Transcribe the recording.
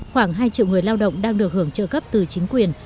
khoảng hai triệu người lao động đang được hưởng trợ cấp từ chính quyền